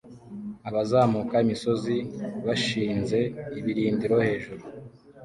Abazamuka imisozi bashinze ibirindiro hejuru